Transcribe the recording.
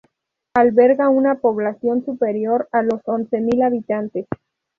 Alberga una población superior a los once mil habitantes.